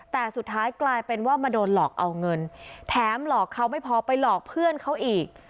แต่สุดท้ายกลายเป็นว่ามาโดนหลอกเอาเงินแถมหลอกเขาไม่พอไปหลอกเพื่อนเขาอีก